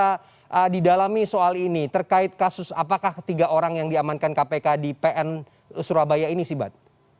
bisa didalami soal ini terkait kasus apakah tiga orang yang diamankan kpk di pn surabaya ini sibat